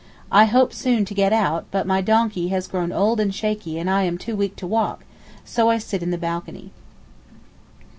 I hope soon to get out, but my donkey has grown old and shaky and I am too weak to walk, so I sit in the balcony.